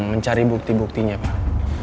mencari bukti buktinya pak